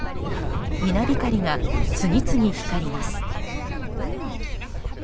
稲光が、次々光ります。